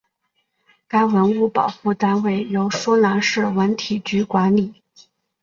该文物保护单位由舒兰市文体局管理。